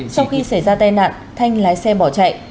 sau khi xảy ra tai nạn thanh lái xe bỏ chạy